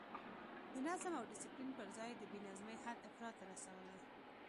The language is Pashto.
د نظم او ډسپلین پر ځای یې د بې نظمۍ حد افراط ته رسولی.